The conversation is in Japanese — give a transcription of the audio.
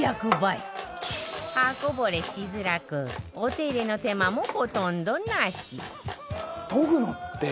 刃こぼれしづらくお手入れの手間もほとんどなし